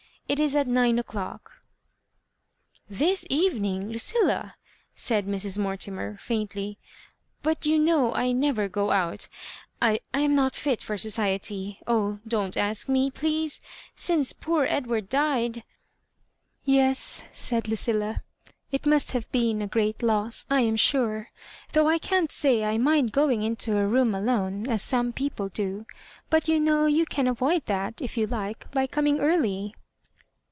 It is at nine o'clock." " This evening, Lucilla 1" said Mrs. Mortimer, faintly ;" but you know I never go out — I am not fit for society. Oh, ■ don't a^ me, please I Since poor Edward died "Yes,'* said Lucilla, " it pnust Biave been a great loss, I am sure ; though I can't say I mind going into a room alone, as some people do ; but you know you can avoid that, if you like, by com ing early.